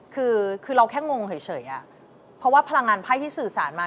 คือคือเราแค่งงเฉยอะเพราะว่าพลังงานไพ่ที่สื่อสารมา